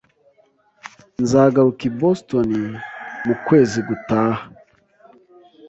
Nzagaruka i Boston mu kwezi gutaha